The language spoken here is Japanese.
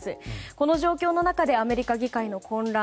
この状況の中でアメリカ議会の混乱